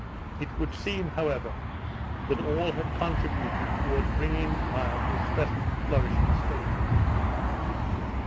It should seem, however, that all had contributed towards bringing the isle to its present flourishing state.